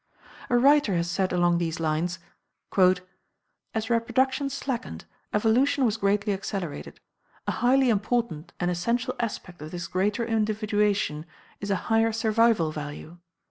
A writer has said along these lines: "As reproduction slackened, evolution was greatly accelerated. A highly important and essential aspect of this greater individuation is a higher survival value.